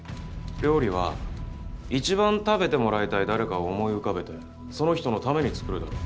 料理は一番食べてもらいたい誰かを思い浮かべてその人のために作るだろ。